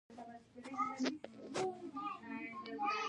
ازادي راډیو د بانکي نظام په اړه د مجلو مقالو خلاصه کړې.